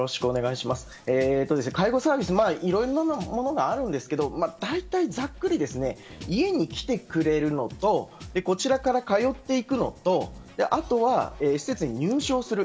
介護サービスにはいろいろなものがありますが大体ざっくり家に来てくれるのとこちらから通っていくのとあとは、施設に入所をする。